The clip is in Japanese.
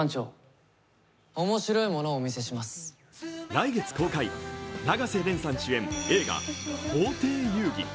来月公開、永瀬廉さん主演映画「法廷遊戯」。